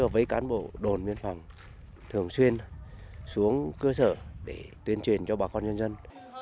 với cán bộ đồn biên phòng thường xuyên xuống cơ sở để tuyên truyền cho bà con nhân dân